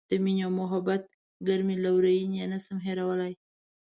د مینې او محبت ګرمې لورینې یې نه شم هیرولای.